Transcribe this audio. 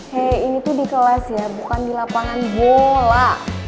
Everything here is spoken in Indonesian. hei ini tuh di kelas ya bukan di lapangan bola